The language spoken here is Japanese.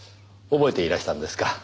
覚えていらしたんですか？